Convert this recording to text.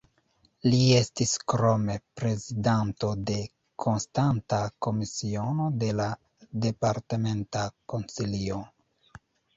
Li estis krome prezidanto de konstanta komisiono de la Departementa Konsilio.